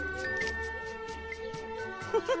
ウフフフ。